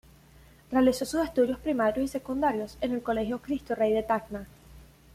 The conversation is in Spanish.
Realizó sus estudios primarios y secundarios en el Colegio Cristo Rey de Tacna.